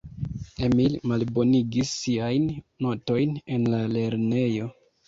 Emil malbonigis siajn notojn en la lernejo.